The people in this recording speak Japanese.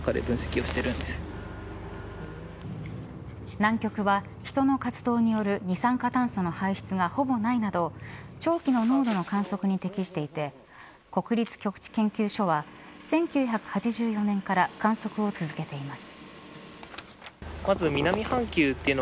南極は人の活動による二酸化炭素の排出がほぼないなど長期の濃度の観測に適していて国立極地研究所は１９８４年から観測を続けています。